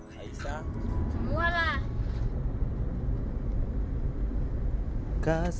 siapa yang datang